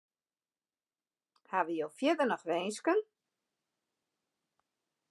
Hawwe jo fierder noch winsken?